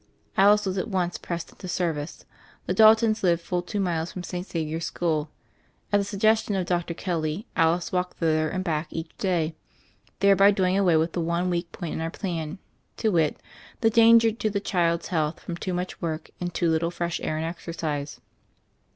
Alice was at once pressed into service. The Daltons lived full two miles from St. Xavier School; at the sug festion of Dr. Kelly Alice walked thither and ack each d?iy, thereby doing away with the one weak point in our 1 Ian, to wit, the danger to the child's .'lealth f "om too much work and too little fresh air . .id exercise.